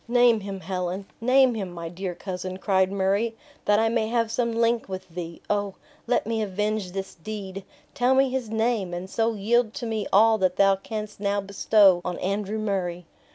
"Name him, Helen; name him, my dear cousin," cried Murray, "that I may have some link with thee. O! let me avenge this deed! Tell me his name! and so yield to me all that thou canst now bestow on Andrew Murray!"